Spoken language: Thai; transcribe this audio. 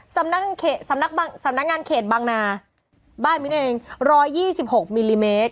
สำนักสำนักงานเขตบางนาบ้านมิ้นเอง๑๒๖มิลลิเมตร